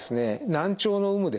難聴の有無ですね。